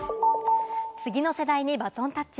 次の世代にバトンタッチ。